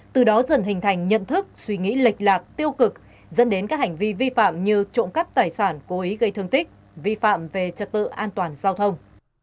từ đó dần hình thành nhận thức suy nghĩ lệch lạc tiêu cực dẫn đến các hành vi vi phạm như trộm cắp tài sản cố ý gây thương tích vi phạm về trật tự an toàn giao thông